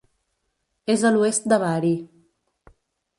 És a l'oest de Bari.